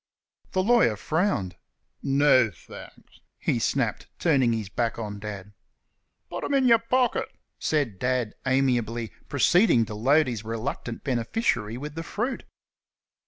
The lawyer frowned. "No, thanks," he snapped, turning his back on Dad. "Put 'em in yer pocket," said Dad, amiably, proceeding to load his reluctant beneficiary with the fruit.